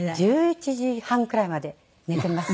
１１時半くらいまで寝ています。